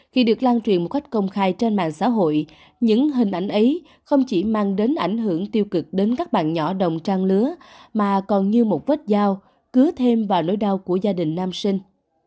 khi được lan truyền một cách công khai trên mạng xã hội những hình ảnh ấy không chỉ mang đến ảnh hưởng tiêu cực đến các bạn nhỏ đồng trang lứa mà còn như một vết dao cứa thêm vào nỗi đau của gia đình nam sinh